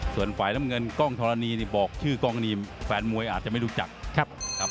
ส่วนฝ่ายน้ำเงินกล้องธรณีนี่บอกชื่อกล้องนี้แฟนมวยอาจจะไม่รู้จักครับ